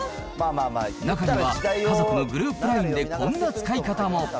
中には、家族のグループＬＩＮＥでこんな使い方も。